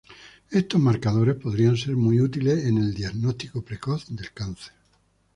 Estos marcadores podrían ser muy útiles en el diagnóstico precoz del cáncer.